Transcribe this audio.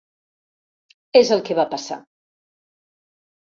És el que va passar.